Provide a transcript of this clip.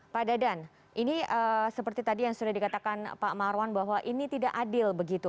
pak dadan ini seperti tadi yang sudah dikatakan pak marwan bahwa ini tidak adil begitu